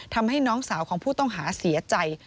ทำให้น้องสาวของผู้ต้องหาเสียใจ